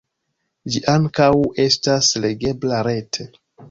Ĝi ankaŭ estas legebla rete.